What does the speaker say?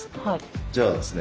じゃあですね